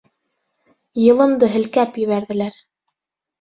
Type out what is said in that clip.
Йылымды һелкеп ебәрҙеләр.